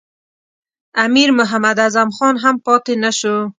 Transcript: امیر محمد اعظم خان هم پاته نه شو.